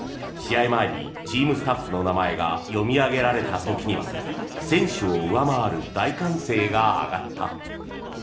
試合前にチームスタッフの名前が読み上げられた時には選手を上回る大歓声が上がった。